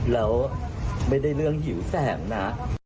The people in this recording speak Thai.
แล้วไม่ได้เรื่องหิวแสงนะ